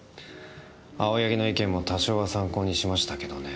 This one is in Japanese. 青柳の意見も多少は参考にしましたけどね。